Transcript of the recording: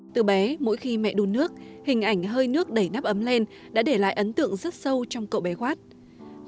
từ bé mỗi khi mẹ đun nước hình ảnh hơi nước đẩy nắp ấm lên đã để lại ấn tượng rất sâu trong cậu bé watt